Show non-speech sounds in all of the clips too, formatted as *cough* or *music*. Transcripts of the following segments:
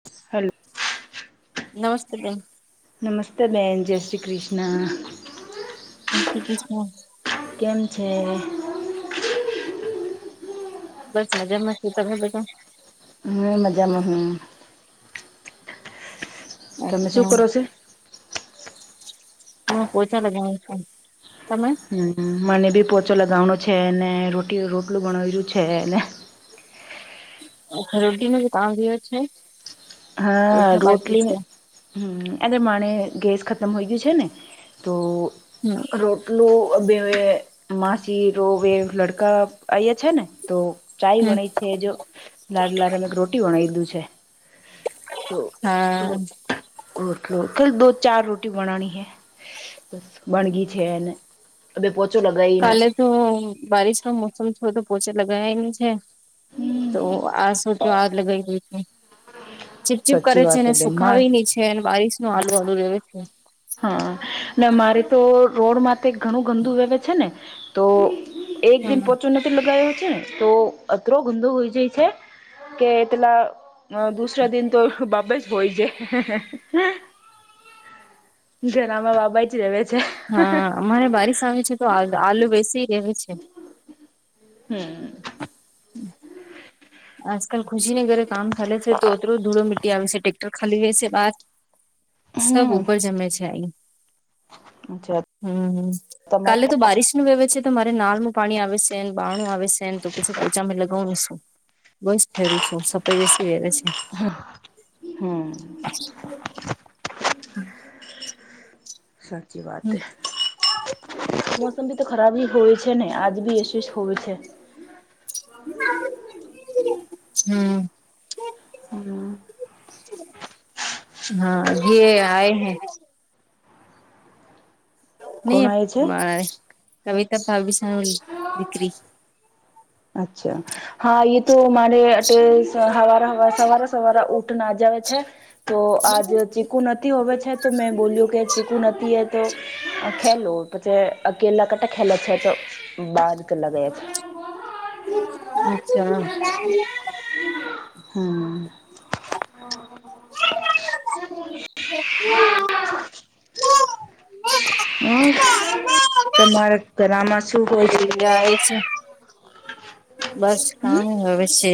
*unintelligible* નમસ્તે બેન. નમસ્તે બેન, જય શ્રી કૃષ્ણ. એ શ *unintelligible* કેમ છે? બસ મજામાં. તમે બધા? હ, મજામાં હ. તમે શું અચ્છા કરો છો? મું પૈસા લગાવઉ છ, તમે હમ, મને બી પોચો લગાવનો છે ને, રો રોટલું બનાવ્યું છે ને. ર ન કે તામ વિવ છે *unintelligible* હા, ઓછા બાકી રોટલી. છે હ, આ પ્રમાણે ગેસ ખતમ હોઈ ગયું છે ને, તો *unintelligible* રોટલું બે માસી ર એ લડકા આયા છે ને તો *unintelligible* ચાય હમ વણ છે, જો લાલ લાર અમેક રોટી વણાવીધું છે. હા તોલો કલ દ ચાર રોટી બનાની હૈ *unintelligible* હમણાં બસ પોતુ મારી એ છીએ. કાલે તો બારિશ ન મોસમ થોડ તો પોચે લગાય ન છે. તો આસચો આગ લગઈ હઈ છે. ચીપચીપ સાચી કરે છે વાત ને, એ બેન માણ સુખાવી ની છે, અને બારીશ નું આલુ વાળુ લેવે છે. હા ને, મારે તો રોડમાં ઘણું ગંદુ વવે છે ને, તો એક હા દિન પોચો નથી લગાયો છે ને, તો અતરો ગંદો હોઈ જાય છે. કે પેલા દુસરા દિન તો બાબે જ હોય છે. ઘરમાં બાબા જ ર છે. હા અમારે બારીશ આવે છે, તો આલુ બેસી રહે છે. *unintelligible* આજકાલ ખુશી ને ઘરે કામ ચાલે છે, તો ઓતરો ધૂળો મી મ ટટેક્ટર ખાલી હોય છે બાદ સબ હમ ઉપર જમે છે, આઈ અચ્છા હમ, હમ, કાલે તમારી તો બારીશ નું વહેવે છે, તો મારે નાળમાં પાણી આવે છે. સે બાણું આવે સેન તો પછી પોચામે લગાવું બસ રું છું, સફાઈ વેવે છે હમ. *unintelligible* સાચી વાત, એ મોસમ બી તો ખરાબ હોય છે. છે ને, આજ બી એશે હોય છે. હમ. હમ. હા, જે આય હૈ. કોણ નહી, આવે છે કવિતા ભાવવી સલી દીકરી. અચ્છા. હા, એ તો મારે એ હવા સવારે સવારા ઊટ ના જાવ છે. તો આજ ચીકુ ન હોવે છે, તો મેં બોલ્યું કે ચીકુ નથી હતો. ખેલું પછી અકેલા કટા ખેલા છે, તો બાર કેલા ગયા છે. અચ્છા. હમ. વ ના *unintelligible* હ, તમારા ઘણામાં એ એ છે. બસ હમ કામ હવે છે.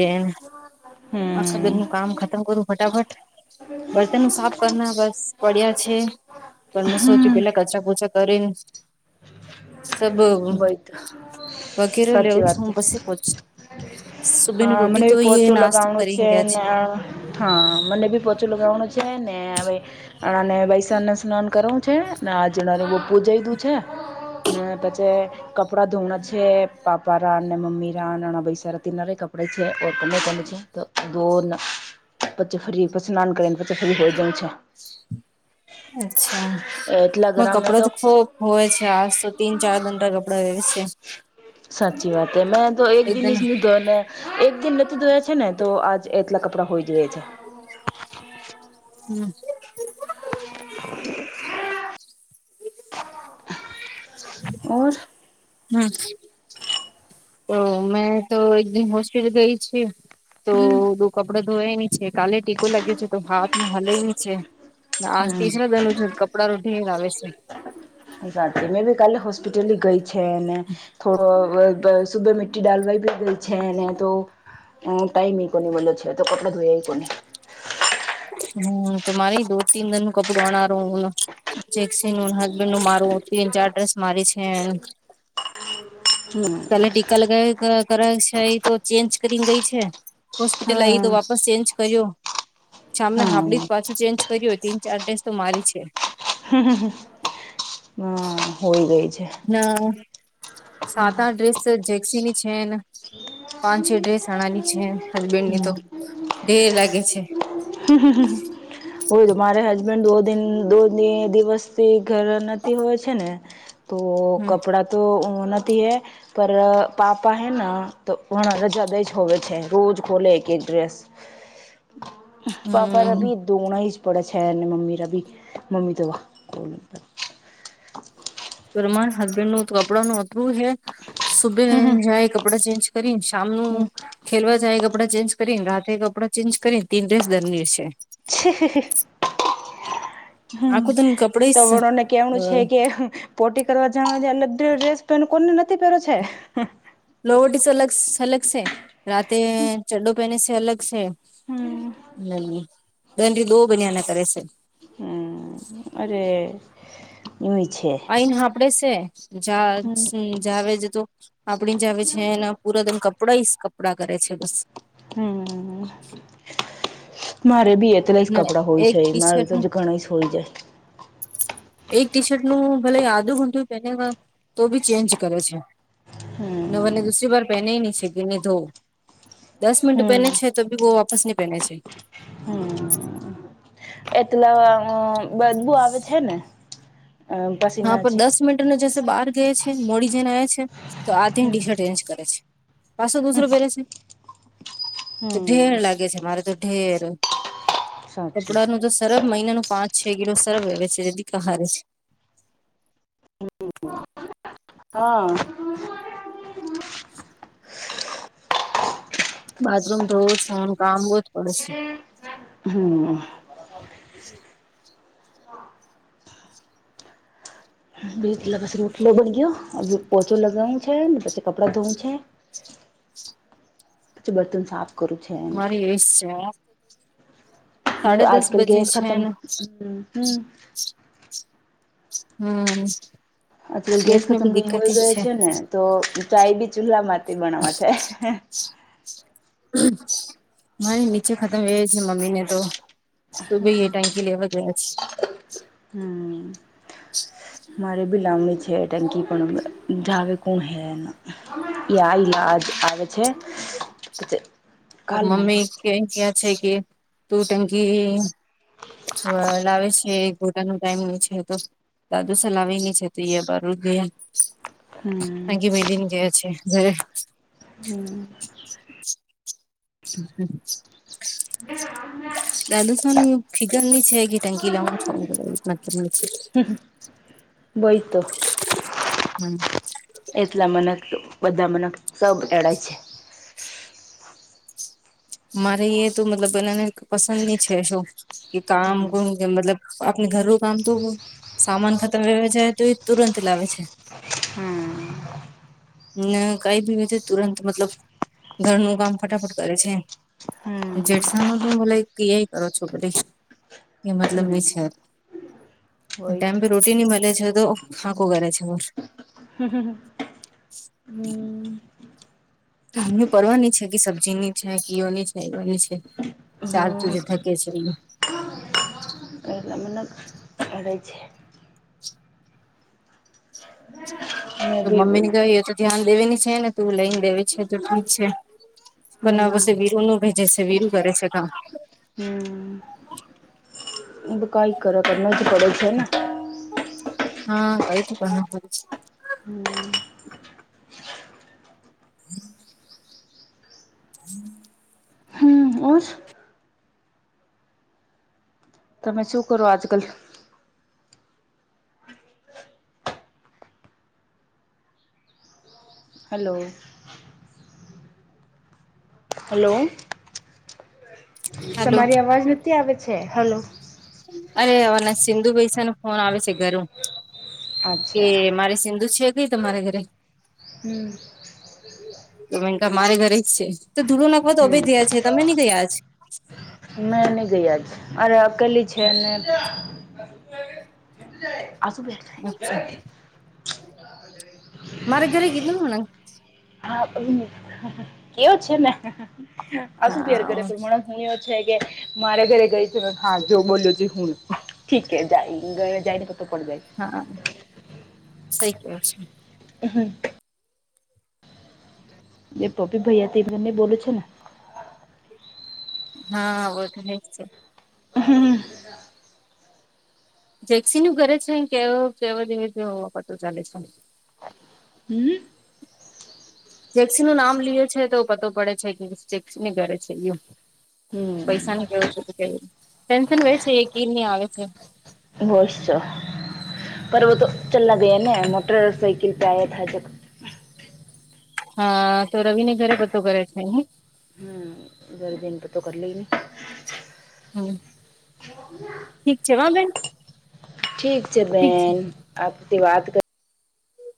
આખા દન નું કામ ખતમ કરું ફટાફટ. બર્તન સાફ કરના બસ પડ્યા છે. પણ મે સોચ્યું હમ પેલા કચરા પૂચા કરીને. સબ વય તો વગેરે સાચી લેઉું છે, વાત હું પછી પહોંચ. સુબેની હા મને રોટી બી તો, પોચો એ નાશતા લગાવણું કરી. છે ને, હા, મને બી પોચું લગાવવાનું છે ને ભાઈ. અનેને વૈસાણને સ્નાન કરવું છે ને, આજણર બ પૂજઈ દું છે ને પછી જે કપડાં ધૂણાં છે, પાપા રા અને મમ્મી રા નાના ભસાર તિનરે કપડે છે ઓ છે. તો દોરન બચે ફ્રી ઉપ સ્નાન કરને બચ ફ્રી હોય જમ છે *unintelligible* અચ્છા, એટલા ગરામાં કપડા તો ખો હોય છે, આજ તો તીન-ચાર દંડા કપડાં એ છે. સાચી વાત. હ, મેં તો એક દિન એકદમ તો એક દિન નથી ધોયા છે ને, તો આજ એટલા કપડાં હોઈ જાય છે. હમ. ઓર હૂં. તો મેં તો એક દન હોસ્પિટલ ગઈ છી. તો હમ દ કપડો ધોય ન છે, કાલે ટીકો લાગ્યો છે, તો હાથમાં હલે છે. આ હમ ત્રીસરા દન છ કપડાનું ઢેર આવે છે *unintelligible* એ વાત મેં ભી કાલે હોસ્પિટલ ગઈ છે, થોડો સુબે મી રીટી ડાલવા બી ગઈ છે ને, તો ટાઈમ એ કોને મળલો છે, તો પટલો ધોયા આવી કોનેહી. હમ, તો મારે દો તીન જન નું કપડું અનારું હું. જેેક્સી ન હસબેન્ડ નું મારું તીન-ચાર ડ્રેસ મારી છે. બ *unintelligible* ટકા લ કર છે એ તો ચેન્જ કરી ગઈ છે. *unintelligible* હોસ્પિટલ આઈ હા તો, વાપસ ચેન્જ કર્યો. સામને હા હાડી જ પાછું ચેન્જ કરે હો, તીન-ચાર ડ્રેસ સ તો મારી છે. હ, હ, હોય ગઈ છે. ના સાત ડ્રેસ. સર જેક્સી ની છે ને, પાંચ-છ ડ્રેસ અણાની છે, હસબેન્ડ ની તો. ઢેર લાગે છે. હોય તો, મારે હસબન્ડો દિવસ તે ઘર નથી હોય છે ને, તો હમ કપડા તો નથી હે. પર પાપા હૈ તો, ઘણા રજા દે જ હોવે છે, રોજ ખોલે એક ડ્રેસ પાપા હમ ભી દોણા બડાા શેર મમી રા ભી મ્મી તોલ *unintelligible* તો રમાર હસબેન્ડ નું કપડા નું અપરું હે. સુબે હમ જાય કપડા, ચેન્જ કરી શામનું. હમ ખેલવા જાય એ, કપડાં ચેન્જ કરીને, રાતે કપડાં ચેન્જ કરીને, તીન ડ્રેસ દરની છે. છે. હમ, આખું તને કપડે તો વણોને કેવનું છે કે. પોટી કરવા જણવા, એલે ડ્રેસ પેન કોને નથી પહેરો છે. લોવટી અલગ-અલગ છે, રાતે ચડ્ડો પહેને છે, અલગ છે. હમ હમ, દંડી બો બનિયાના કરે છે. હમ, અરે ય છે. લનડે છે, હમ જાવજ તું. આપડી જ આવે છે, એના પૂરાદમ કપડા કપડાં કરે છે, બસ. હમ, મારે બી કેલાય જ ને કપડાં હોય એક છે, ટી મારે શર્ટ તો જ ગણા હોય જાય. એક ટી શર્ટ નું ભલે, આદું ઘૂટું પહેને તો બી ચેન્જ કરે છે. ના હમ ભને દુસરી બર. પેને નહી છે, કે નહી, ધોવ દસ મિનટ હમ પહેને છે, તો બી બો વાપસ નહીં પહેને છે. *unintelligible* એટલે બધું આવે છે ને. હા, પસીના છે પણ દસ મિનિટને જશે બહાર ગયા છે, મોડી જેને આ છે. તો આથીન હમ ટી શર્ટ રેન્જ કરે છે, પાછો દુસરો પહેરે છે. તો હમ ઢેર લાગે છે, મારે તો ઢેર સાચી કપડાનું તો સરમ મહિનાનું પાંચ. છે, કિલો સરવેવે છે, જે દીક હારે છે. હા. સ *unintelligible* બાથરૂમ ધવું છેને, કામવું જ પડશે. હમ. શ *unintelligible* બલા પછી રટલો બન ગયો પોચો લગાવું છે ને, પછી કપડા ધોવું છે. પછી બતન સાફ કરું છે મારી એ જ છે. સાડા દસ આજકાલ બજે ગેસ છે ખતમ ને. હમ હમ. આટ ગેસ ની બી ખતમ દિકકત હોય જ ગયો છે ને, તો ચાય બી ચૂલામાંથી બનાવા છે. મારે નીચે ખતમ હો છે, મમ્મી ને તો. તો ભાઈ એ ટાંકી લેવા ગયા છે. હમ. સ *unintelligible* મારે બી લંણી છે, ટંકી પણ જાવે કોણ હે. ઈલાજ આવે છે, પછી તો કાલ મમ્મી મંગાવ ક છે ક્યા છે કે, તું ટંકી હા, લાવે છે. પોતા ન ટાઈમ ન છે, તો દાદુ સલાવીની છે, તો એ બરું ગ હમ અખી મેલીને ગયા છે જ. હમ. હ. એ અ *unintelligible* દાદુ તોનું ફીગર ની છે કે ટંકી લાવવાનું *unintelligible* વઈ તો *unintelligible* એટલા મને બધા મન સબ એડ છે. *unintelligible* મારે એ તો મતલબ એનાને પસંદ ની છે, શું કે કામણ કે મતલબ, આપણે ઘરું કામ તો સામાન ખતમ વવા જાય તો, એ તુરંત લાવે છે. હમ *unintelligible* ના કઈ ભી છે, તુરંત મતલબ ઘરનું કામ ફટાફટ કરે છે. હમ જેડસા નો તો મ કય કરો છો, બ એ મતલબ છે. હોય ટાઈમ તો પે રોટી નની મળે છે, તો ખાંખું કરે છે. હમ, હમ, હમ. અ પડવાની છે કે, સબ્જી ની છે, કીઓની છે, એવાની છે. ચાલચુડી ધકે છેરી. એ ત મને *unintelligible* કરે છે *unintelligible* મે તો મમ્મી બી ને કહી એ તો ધ્યાન દેવીની છે ને, તું લઈને દેવી છે, તો ઠીક છે. પણ ના બસ હમ વિર નું ભેજે છે, વિરું કરે છે કામ. હમ. કઈ કરક ન જ પડે છે ને. હા, કઈથી પણ હમ. હમ. હમ, ઓર. તમે શું કરો, આજકલ? હલો. હલો. હેલો તમારી અવાજ ન આવે છે, હલો. અરે અ સિંધુભાઈસા નું ફોન આવે છે, ઘરું. કે અચ્છા મારે સિંધુ છે, કઈ તમારા ઘરે હમ. તો મેનકા મારે ઘરે જ છે, તો ધૂડું નાખવા તો હમ અભય ગયા છે, તમે નહી થયા જ. મેં નહી ગયા જ અરે અકેલી છે ને. અસું બે. અચ્છા મારે ઘરે કીધુંને. હા કે ઓ છે મે અસ પર કરે હા પરણ *unintelligible* હું એ છે કે, મારે ઘરે ગઈ છે. હા, જો બોલ્યો હું ઠીે જાય ગ જાયને પત કો જાય *unintelligible* હા, સઈ કે છે. હમ. એ પપી ભૈયા ત ઘને બોલોું છે ને *unintelligible* હા હ બો તો હ છે *unintelligible* હમ. જેક્સી નું ઘરે જ છે, કેવ કે દિવપરતો ચાલે છે. હમ. જેેક્સી નું નામ લિ છે, તો પતો પડે છે કે, જેેક્સી ને ઘરે છે યું. પૈસા ન કેવો શ કે ટેન્શન વે છે એ કીર નહી આવે છે *unintelligible* બસ છો પરવ તો ચલ્લા ગયા ને મોટર સાઇકલ પ આ થ *unintelligible* હા, તો રવિ ને ઘરે બતો કરે છે. હા. બારે દિન તો કર લે ન. હમ. હ. ઠીક છે હો બેન ઠીક છે ઠીક છે બેન આપતી વાત કર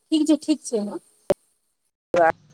બીજું ઠીક છે હો *unintelligible*